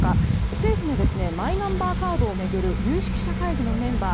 政府のマイナンバーカードを巡る有識者会議のメンバー